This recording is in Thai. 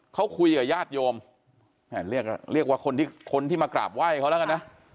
เขาคุยกับญาติโยมเรียกว่าคนที่คนที่มากราบไหว้เขาแล้วกันนะ